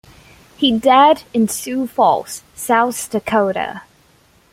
He died in Sioux Falls, South Dakota.